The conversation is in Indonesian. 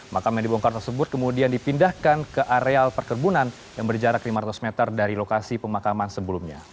makam yang dibongkar tersebut kemudian dipindahkan ke areal perkebunan yang berjarak lima ratus meter dari lokasi pemakaman sebelumnya